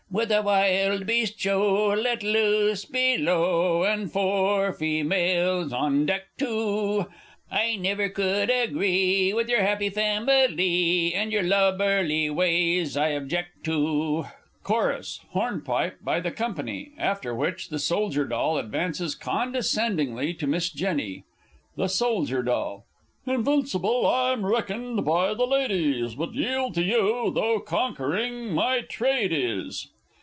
With a Wild Beast Show Let loose below, And four fe males on deck too! I never could agree With your happy fami lee, And your lubberly ways I objeck to." [Chorus. Hornpipe by the company, after which the Soldier Doll advances condescendingly to Miss JENNY. The Sold. D. Invincible I'm reckoned by the Ladies, But yield to you though conquering my trade is!